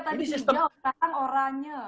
tadi hijau sekarang oranya